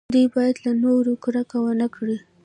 دوی باید له نورو کرکه ونه کړي.